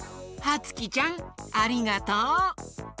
はつきちゃんありがとう！